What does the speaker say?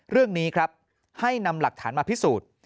เรื่องนี้ครับให้นำหลักฐานมาพิสูจน์